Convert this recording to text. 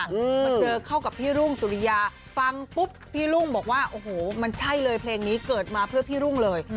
มาเจอเข้ากับพี่รุ่งสุริยาฟังปุ๊บพี่รุ่งบอกว่าโอ้โหมันใช่เลยเพลงนี้เกิดมาเพื่อพี่รุ่งเลย